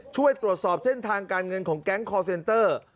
ช่วยตรวจสอบเส้นทางการเงินของแก๊งคอร์เซนเตอร์